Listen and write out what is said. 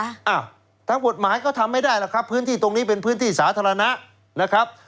อ้าวทางกฎหมายก็ทำไม่ได้หรอกครับพื้นที่ตรงนี้เป็นพื้นที่สาธารณะนะครับ